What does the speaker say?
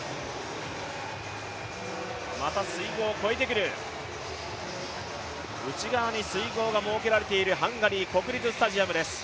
また水濠を越えてくる内側に水濠が設けられているハンガリー国立スタジアムです。